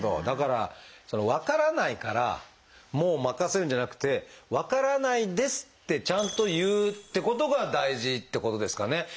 だからその分からないからもう任せるんじゃなくて「分からないです」ってちゃんと言うってことが大事ってことですかね。